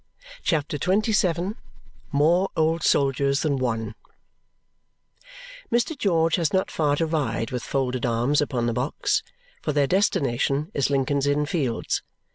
CHAPTER XXVII More Old Soldiers Than One Mr. George has not far to ride with folded arms upon the box, for their destination is Lincoln's Inn Fields.